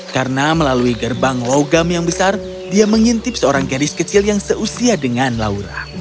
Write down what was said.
karena melalui gerbang logam yang besar dia mengintip seorang gadis kecil yang seusia dengan laura